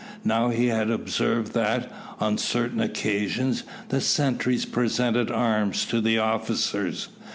Now he had observed that, on certain occasions, the sentry presented arms to the officers.